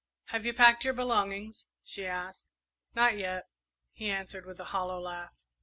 "Have you packed your belongings?" she asked. "Not yet," he answered, with a hollow laugh.